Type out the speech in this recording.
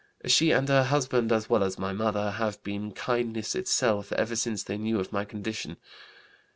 She and her husband as well as my mother have been kindness itself ever since they knew of my condition.